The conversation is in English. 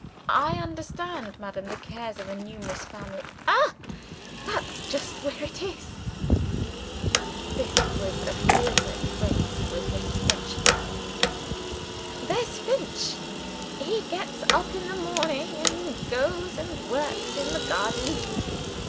"I understand, madam. The cares of a numerous family " "Ah! that's just where it is." (This was a favorite phrase with Mrs. Finch). "There's Finch, he gets up in the morning and goes and works in the garden.